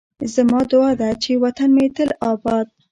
زما دعا ده چې وطن مې تل اباد